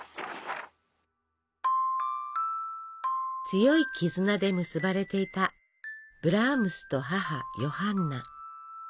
強い絆で結ばれていたブラームスと母ヨハンナ。